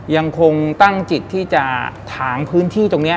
ยังคงตั้งจิตที่จะถางพื้นที่ตรงนี้